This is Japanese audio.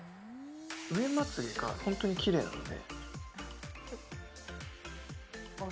上まつげが本当にきれいなので。